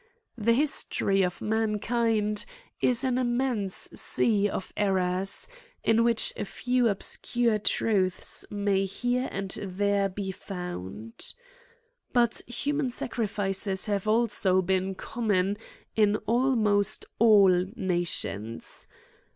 The history of mankind is an immense sea of errors, in which a few ob scure truths may here and there be found. CRIMES AND PUNISHMENTS. 10/ But human sacrifices have also been common in almost all nations.